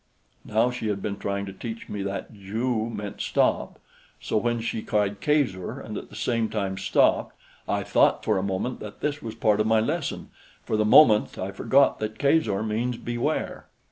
Now she had been trying to teach me that ju meant stop; so when she cried kazor and at the same time stopped, I thought for a moment that this was part of my lesson for the moment I forgot that kazor means beware.